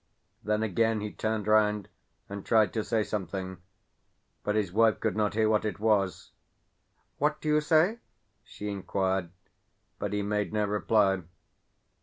Then again he turned round and tried to say something, but his wife could not hear what it was. "What do you say?" she inquired, but he made no reply.